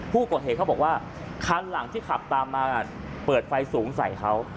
เขาบอกว่าคันหลังที่ขับตามมาเปิดไฟสูงใส่เขา